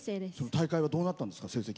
大会はどうなったんですか？